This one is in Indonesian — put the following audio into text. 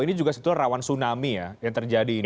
ini juga sebetulnya rawan tsunami yang terjadi